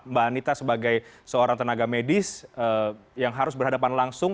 mbak anita sebagai seorang tenaga medis yang harus berhadapan langsung